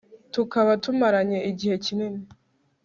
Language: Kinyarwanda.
tukaba tumaranye igihe kinini